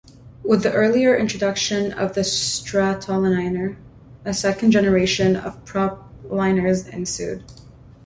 With the earlier introduction of the Stratoliner, a second generation of propliners ensued.